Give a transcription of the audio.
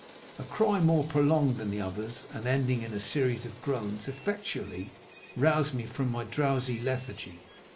A cry more prolonged than the others and ending in a series of groans effectually roused me from my drowsy lethargy.